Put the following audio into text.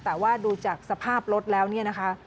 แต่ว่าดูจากสภาพรถแล้วเนี่ยนะคะ